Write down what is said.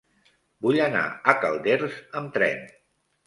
Vull anar a Calders amb tren.